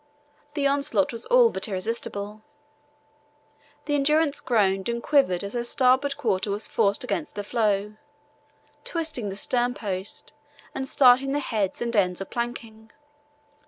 The onslaught was all but irresistible. The Endurance groaned and quivered as her starboard quarter was forced against the floe, twisting the sternpost and starting the heads and ends of planking.